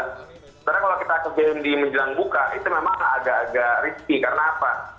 karena kalau kita ke game di menjelang buka itu memang agak agak risky karena apa